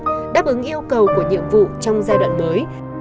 đáp ứng yêu cầu của nhiệm vụ trong giai đoạn mới